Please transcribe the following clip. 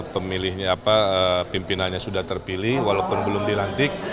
pemilihnya apa pimpinannya sudah terpilih walaupun belum dilantik